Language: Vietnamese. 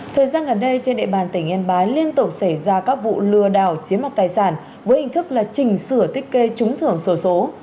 thời gian gần đây trên địa bàn tỉnh yên bái liên tục xảy ra các vụ lừa đảo chiếm mặt tài sản với hình thức là chỉnh sửa tích kê trúng thưởng sổ số